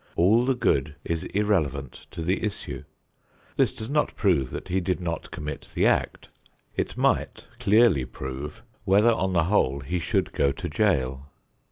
All the good is irrelevant to the issue. This does not prove that he did not commit the act. It might clearly prove whether on the whole he should go to jail.